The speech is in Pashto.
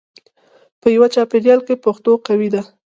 په یوه چاپېریال کې پښتو قوي ده.